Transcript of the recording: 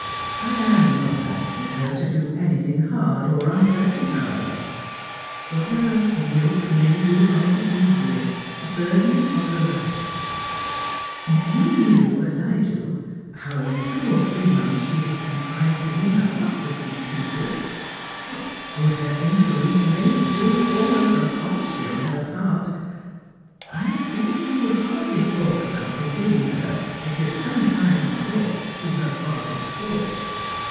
I am not asking her to do anything hard or unpleasant, however. For her, the yoke may be of the easiest, the burden of the lijhtes*^.. If you knew, as I do, how in two or three months she ha< contrived to win the hearts of these people — what good her in/' ^nce may do almost unconsciously on her part — I think you T.'Oj.J hardly talk abou^ forbidding her to give some time and thought to her father'^ poor."